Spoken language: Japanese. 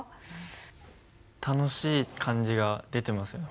楽しい感じが出てますよね。